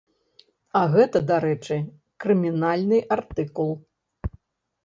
А гэта, дарэчы, крымінальны артыкул.